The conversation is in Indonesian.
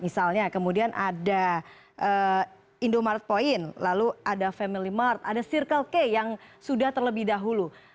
misalnya kemudian ada indomart point lalu ada family mart ada circle k yang sudah terlebih dahulu